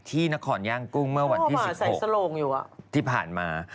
ที่นครย่างกุ้งเมื่อวันที่๑๒ที่ผ่านมา